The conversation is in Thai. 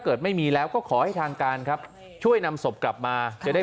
ไม่มีแล้วก็ขอให้ทางการครับช่วยนำศพกลับมาจะได้